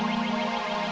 sampai jumpa lagi